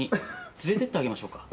連れて行ってあげましょうか？